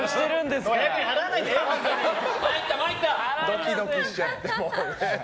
ドキドキしちゃって、もう。